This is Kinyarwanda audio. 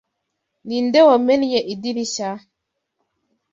Ninde wamennye idirishya?